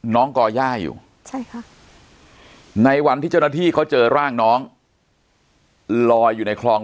ก่อย่าอยู่ใช่ค่ะในวันที่เจ้าหน้าที่เขาเจอร่างน้องลอยอยู่ในคลอง